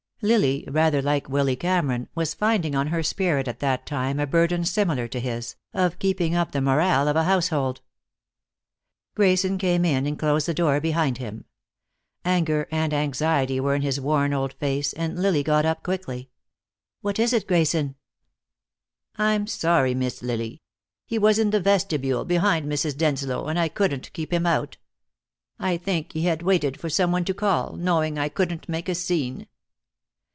Lily, rather like Willy Cameron, was finding on her spirit at that time a burden similar to his, of keeping up the morale of the household. Grayson came in and closed the door behind him. Anger and anxiety were in his worn old face, and Lily got up quickly. "What is it, Grayson?" "I'm sorry, Miss Lily. He was in the vestibule behind Mrs. Denslow, and I couldn't keep him out. I think he had waited for some one to call, knowing I couldn't make a scene."